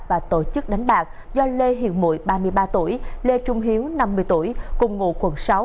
và tổ chức đánh bạc do lê hiền mụi ba mươi ba tuổi lê trung hiếu năm mươi tuổi cùng ngụ quận sáu